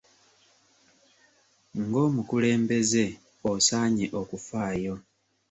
Ng'omukulembeze osaanye okufaayo.